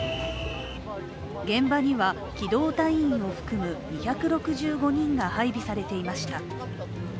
現場には機動隊員を含む２６５人が配備されていました。